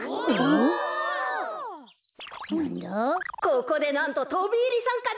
ここでなんととびいりさんかです。